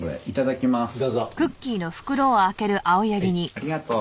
ありがとう。